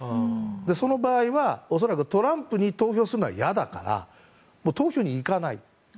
その場合はトランプに投票するのは嫌だから投票に行かないと。